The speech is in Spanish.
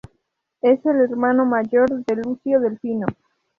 Es el hermano mayor de Lucio Delfino.